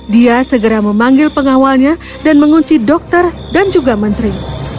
dia segera memanggil pengawalnya dan mengunci dokter dan juga menteri